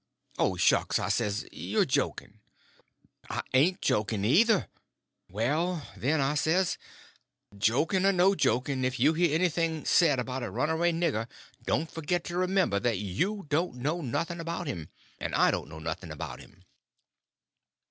_ "Oh, shucks!" I says; "you're joking." "I ain't joking, either." "Well, then," I says, "joking or no joking, if you hear anything said about a runaway nigger, don't forget to remember that you don't know nothing about him, and I don't know nothing about him."